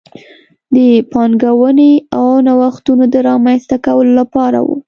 د پانګونې او نوښتونو د رامنځته کولو لپاره و.